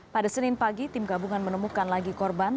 pada senin pagi tim gabungan menemukan lagi korban